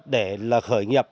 để là khởi nghiệp